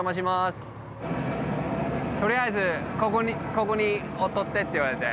とりあえずここにおっとってって言われて。